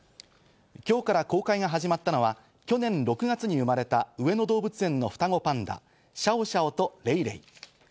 今日から公開が始まったのは昨年６月に生まれた上野動物園の双子パンダ、シャオシャオとレイレイ。